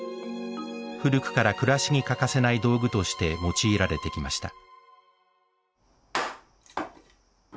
古くから暮らしに欠かせない道具として用いられてきました。